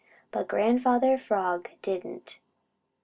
But Grandfather Frog didn't.